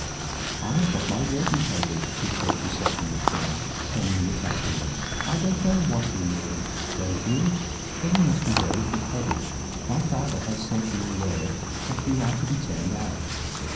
"I have got my walking papers," he said to Septimus Jones ten minutes afterward. "I don't know what you mean." "Don't you? Then you must be very thick headed. My father has sent me word that you are to be turned out.